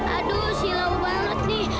aduh silau banget nih